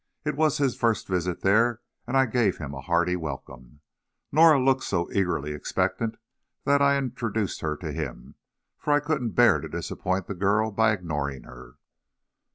It was his first visit there, and I gave him a hearty welcome. Norah looked so eagerly expectant that I introduced him to her, for I couldn't bear to disappoint the girl by ignoring her.